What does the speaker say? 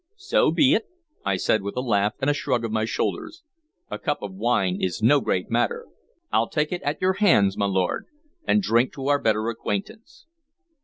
"So be it," I said, with a laugh and a shrug of my shoulders. "A cup of wine is no great matter. I'll take it at your hands, my lord, and drink to our better acquaintance."